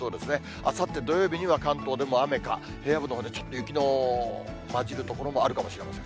あさって土曜日には関東でも雨か、平野部でもちょっと雪の交じる所があるかもしれません。